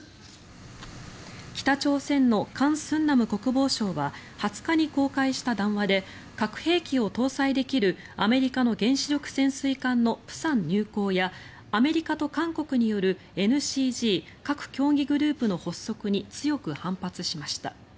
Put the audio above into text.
北朝鮮のカン・スンナム国防相は２０日に公開した談話で核兵器を搭載できるアメリカの原子力潜水艦の釜山入港やアメリカと韓国によるＮＣＧ・核協議グループの発足に強く反発しました。